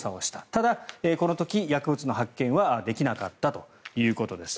ただ、この時、薬物の発見はできなかったということです。